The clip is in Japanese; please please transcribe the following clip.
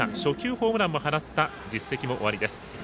ホームランも放った実績もおありです。